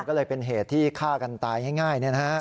ก็เลยเป็นเหตุที่ฆ่ากันตายง่ายนี่นะครับ